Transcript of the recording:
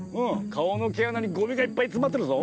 顔の毛穴にゴミがいっぱい詰まっとるぞ。